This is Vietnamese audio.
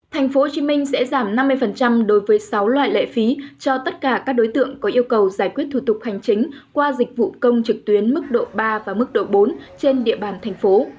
tp hcm sẽ giảm năm mươi đối với sáu loại lệ phí cho tất cả các đối tượng có yêu cầu giải quyết thủ tục hành chính qua dịch vụ công trực tuyến mức độ ba và mức độ bốn trên địa bàn thành phố